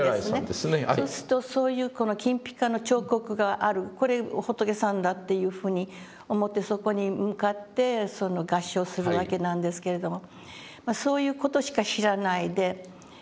そうするとそういうこの金ピカの彫刻がある「これ仏さんだ」というふうに思ってそこに向かって合掌するわけなんですけれどもそういう事しか知らないで。